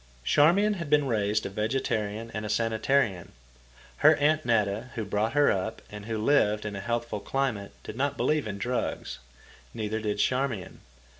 Charmian had been raised a vegetarian and a sanitarian. Her Aunt Netta, who brought her up and who lived in a healthful climate, did not believe in drugs. Neither did Charmian.